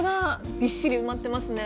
びっしり埋まってますね。